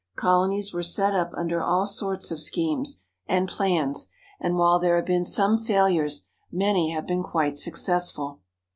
Colonies were set up under all sorts of schemes 169 THE HOLY LAND AND SYRIA and plans, and while there have been some failures, many have been quite successful.